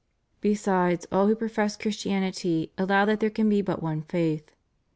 Besides, all who profess Christianity allow that there can be but one faith.